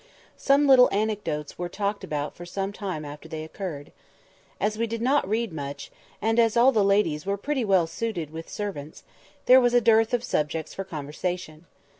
Some little anecdotes were talked about for some time after they occurred. As we did not read much, and as all the ladies were pretty well suited with servants, there was a dearth of subjects for conversation.